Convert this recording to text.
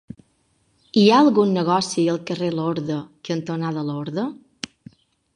Hi ha algun negoci al carrer Lorda cantonada Lorda?